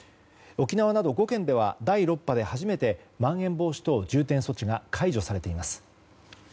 沖縄など５県では第６波で初めてまん延防止等重点措置が解除されています。